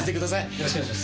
よろしくお願いします。